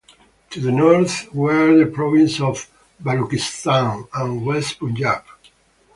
To the north were the provinces of Baluchistan and West Punjab.